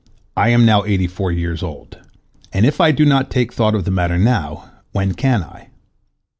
I am now eighty four years old, and if I do not take thought of the matter now, when can I?"